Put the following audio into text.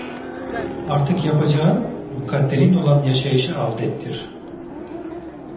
Artık yapacağın, mukadderin olan yaşayışa avdettir.